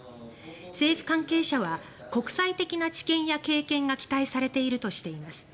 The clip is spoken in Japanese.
政府関係者は国際的な知見や経験が期待されているとしています。